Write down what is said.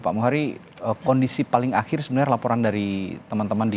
pak muhari kondisi paling akhir sebenarnya laporan dari teman teman di